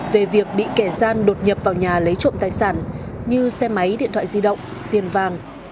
về việc bị kẻ gian đột nhập vào nhà lấy trộm tài sản như xe máy điện thoại di động tiền vàng